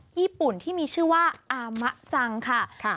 ญี่ปุ่นที่มีชื่อว่าอามะจังค่ะ